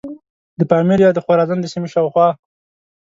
د پامیر یا د خوارزم د سیمې شاوخوا.